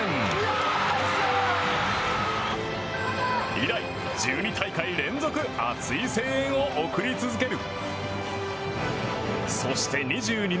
以来、１２大会連続熱い声援を送り続ける。